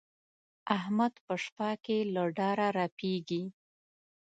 احمد په شپه کې له ډاره رپېږي.